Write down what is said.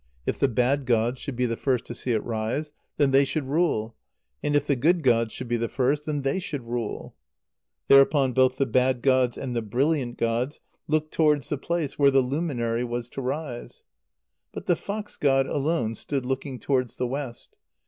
If the bad gods should be the first to see it rise, then they should rule; and if the good gods should be the first, then they should rule. Thereupon both the bad Gods and the brilliant gods looked towards the place where the luminary was to rise. But the fox[ god] alone stood looking towards the west.